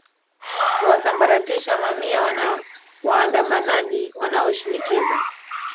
kuwasambaratisha mamia waandamanaji wanaoshinikiza